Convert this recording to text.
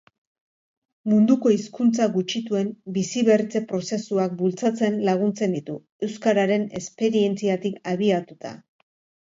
Munduko hizkuntza gutxituen biziberritze prozesuak bultzatzen laguntzen ditu, euskararen esperientziatik abiatuta.